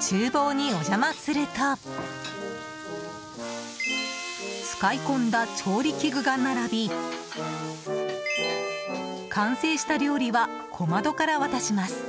厨房にお邪魔すると使い込んだ調理器具が並び完成した料理は小窓から渡します。